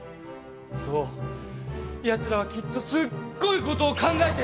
そうヤツらはきっとすっごいことを考えて。